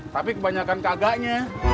tapi kebanyakan kagaknya